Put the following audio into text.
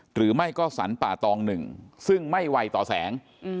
หรือไม่ก็สปต๑ซึ่งไม่ไหวต่อแสง